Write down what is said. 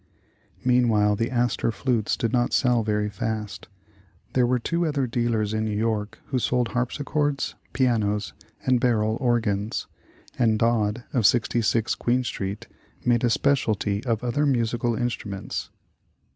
Meanwhile the Astor flutes did not sell very fast. There were two other dealers in New York who sold harpsichords, pianos, and barrel organs; and Dodd, of 66 Queen Street, made a specialty of other musical in struments.